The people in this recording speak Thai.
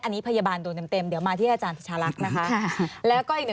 อันนี้พยาบาลโดนเต็มเดี๋ยวมาที่อาจารย์ประชาลักษณ์นะคะ